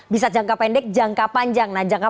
bisa jangka pendek jangka panjang nah jangka